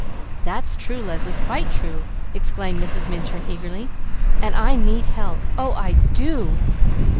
"That's true Leslie, quite true!" exclaimed Mrs. Minturn eagerly. "And I need help! Oh I do!"